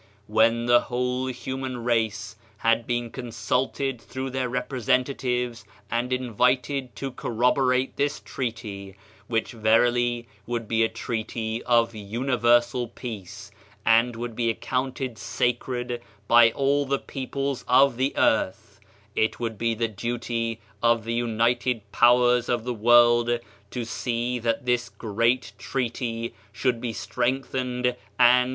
When the whole human race had been consulted through their representa tives and invited to corroborate this treaty which verily would be a treaty of universal peace and would be accounted sacred by all the peoples of the earth, it would be the duty of the united powers of the world to see that this great treaty should be strengthened and should endure.